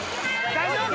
大丈夫？